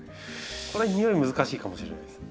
これにおい難しいかもしれないです。